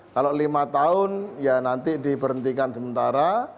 kalau lima tahun ya nanti diberhentikan sementara